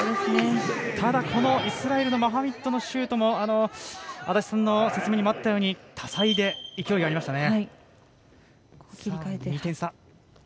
ただ、イスラエルのマハミッドのシュートも安達さんの説明にもあったように多彩で勢いがありましたね。